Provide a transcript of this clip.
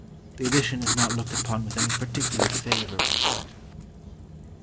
The addition is not looked upon with any particular favour by the writer.